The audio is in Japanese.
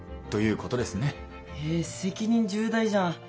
え責任重大じゃん。